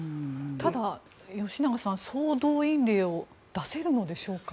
ただ、吉永さん総動員令を出せるのでしょうか。